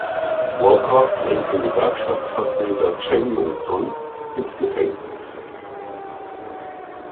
Walker bringt den Gewerkschaftsvertreter Chen Jung Song ins Gefängnis.